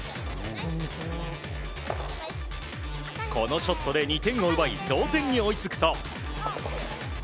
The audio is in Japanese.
このショットで２点を奪い同点に追いつくと。